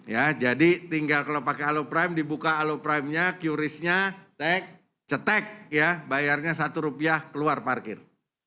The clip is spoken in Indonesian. ya jadi tinggal kalau pakai aloprime dibuka aloprime nya qrisnya cetek ya bayarnya satu rupiah keluar parkir